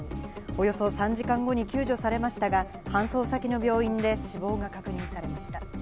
およそ３時間後に救助されましたが、搬送先の病院で死亡が確認されました。